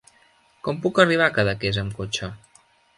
Com puc arribar a Cadaqués amb cotxe?